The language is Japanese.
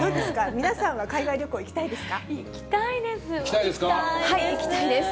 皆さんは海外旅行きたいです。